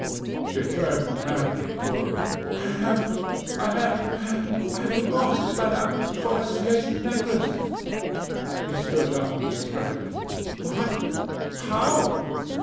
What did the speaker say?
She turned madly toward him: "I have I have I've lost Mme. Forestier's necklace." He stood up, distracted. "What! how?